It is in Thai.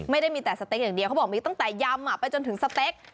ไม่ได้มีแต่สเต็กอย่างเดียวเขาบอกมีตั้งแต่ยำไปจนถึงสเต็ก